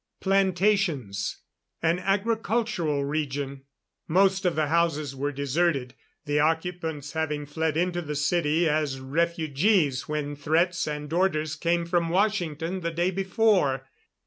Plantations an agricultural region. Most of the houses were deserted, the occupants having fled into the city as refugees when threats and orders came from Washington the day before.